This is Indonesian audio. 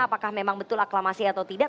apakah memang betul aklamasi atau tidak